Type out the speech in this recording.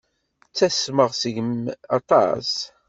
Ttasmeɣ seg-m aṭas.